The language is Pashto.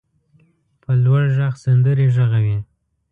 په لوړ غږ سندرې غږوي.